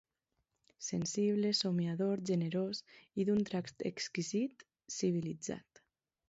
Sensible, somniador, generós i d'un tracte exquisit, civilitzat.